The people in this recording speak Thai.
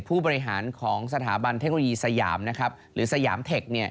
ผู้บริหารของสถาบันเทคโนโลยีสยามหรือสยามเทค